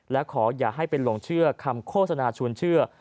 และขออย่าให้ไปหลงเชื่อคำโฆษณาชวนเชื่อ